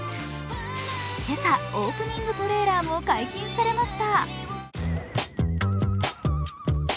今朝、オープニングトレーラーも解禁されました。